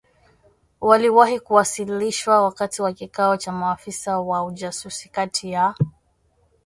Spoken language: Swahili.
waliwahi kuwasilishwa wakati wa kikao cha maafisa wa ujasusi kati ya